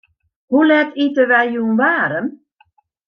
Hoe let ite wy jûn waarm?